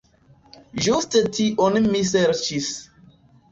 Ĝuste tion mi serĉis.